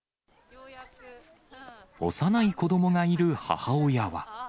幼い子どもがいる母親は。